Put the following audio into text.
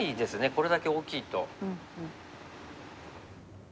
これだけ大きいと。